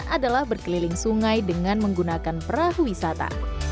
adalah berkeliling sungai dengan menggunakan perahu wisata